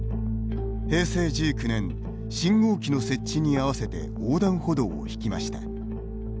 平成１９年信号機の設置に合わせて横断歩道を引きました。